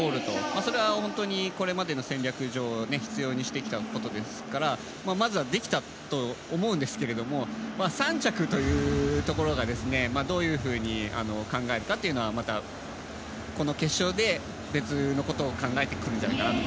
それは本当にこれまでの戦略上必要にしてきたことですからまずはできたというところだと思うんですけど３着というところがどういうふうに考えるかはまたこの決勝で別のことを考えて。